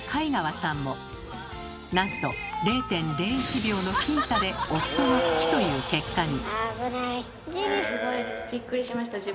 なんと０．０１秒の僅差で夫が好きという結果に。